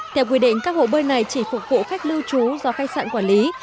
theo quy định các hồ bơi này chỉ phục vụ khách lưu trú do khách sạn quản lý